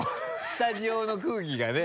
スタジオの空気がね